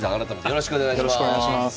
よろしくお願いします。